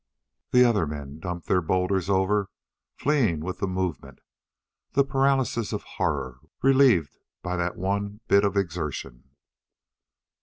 The other men dumped their boulders over, fleeing with the movement the paralysis of horror relieved by that one bit of exertion.